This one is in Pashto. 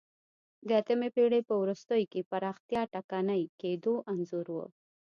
د اتمې پېړۍ په وروستیو کې پراختیا ټکنۍ کېدو انځور و